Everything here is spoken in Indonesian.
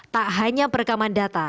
tak hanya perekaman data